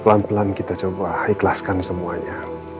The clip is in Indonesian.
pelan pelan kita coba ikhlaskan semuanya